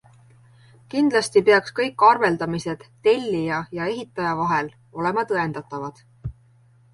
Kindlasti peaks kõik arveldamised tellija ja ehitaja vahel olema tõendatavad.